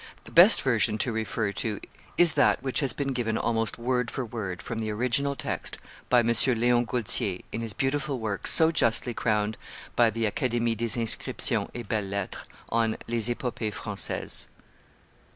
The best version to refer to is that which has been given almost word for word, from the original text, by M. Leon Gaultier, in his beautiful work, so justly crowned by the Academie des Inscriptions et Belles lettres, on Lee Epopees Francaises.